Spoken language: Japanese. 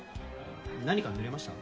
何か濡れました？